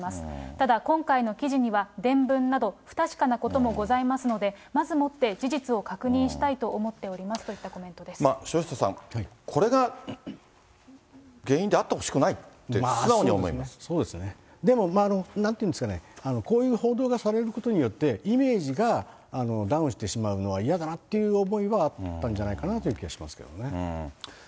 ただ、今回の記事には、伝聞など、不確かなこともございますので、まずもって、事実を確認したいと思っておりますといったコメント城下さん、これが原因であっそうですね、でもなんていうんですかね、こういう報道がされることによって、イメージがダウンしてしまうのは嫌だなっていう思いはあったんじゃないかなという気はしますけれどもね。